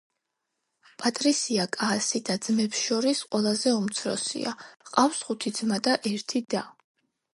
პატრისია კაასი და-ძმებს შორის ყველაზე უმცროსია, ჰყავს ხუთი ძმა და ერთი და.